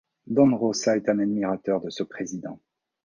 Don Rosa est un admirateur de ce président.